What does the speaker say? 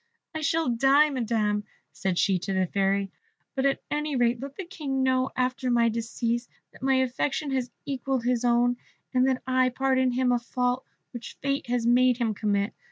"I shall die, Madam," said she to the Fairy, "but at any rate let the King know, after my decease, that my affection has equalled his own, and that I pardon him a fault which fate has made him commit.